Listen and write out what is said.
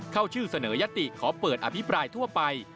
เข้าชื่อเสนอยติขอเปิดอภิปรายทั่วไป